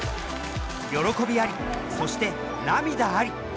喜びありそして涙あり。